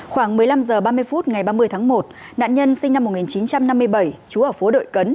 khoảng một mươi năm h ba mươi phút ngày ba mươi tháng một nạn nhân sinh năm một nghìn chín trăm năm mươi bảy trú ở phố đội cấn